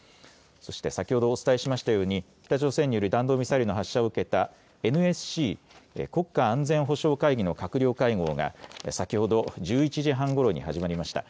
そして先ほどお伝えしましたように北朝鮮による弾道ミサイルの発射を受けたＮＳＣ・国家安全保障会議の閣僚会合が先ほど１１時半ごろに始まりました。